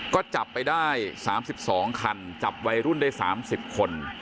ก็จับไปได้สามสิบสองคันจับวัยรุ่นได้สามสิบคน